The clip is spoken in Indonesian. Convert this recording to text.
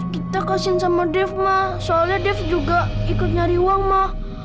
kita kasin sama dev ma soalnya dev juga ikut nyari uang ma